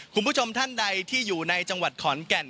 คุณผู้ชมท่านใดที่อยู่ในจังหวัดขอนแก่น